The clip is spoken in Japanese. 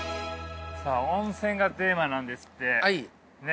さあ温泉がテーマなんですってね